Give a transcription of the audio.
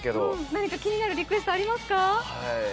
何か気になるリクエストありますか？